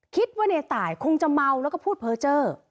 คิดว่าในตายคงจะเมาแล้วก็พูดเพอร์เจอร์